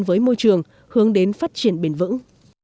với môi trường hướng đến phát triển bền vững